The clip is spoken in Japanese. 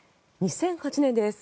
２００８年です。